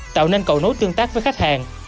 tạo nên cầu nối tương tác với khách hàng